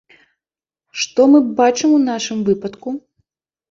Што мы бачым у нашым выпадку?